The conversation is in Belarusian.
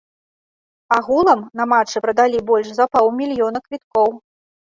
Агулам, на матчы прадалі больш за паўмільёна квіткоў.